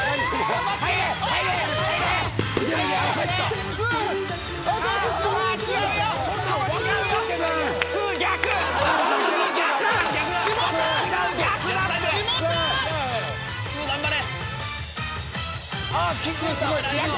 頑張れ！